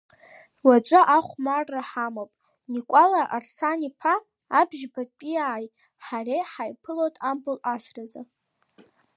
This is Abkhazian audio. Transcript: Уаҵәы ахәмарра ҳамоуп, Никәала Арсана-иԥа, абжьбатәиааи ҳареи ҳаиԥылоит ампыл асразы.